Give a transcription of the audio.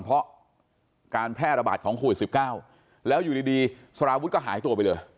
เพราะการแพร่ระบาดของโควิด๑๙แล้วอยู่ดีสารวุฒิก็หายตัวไปเลย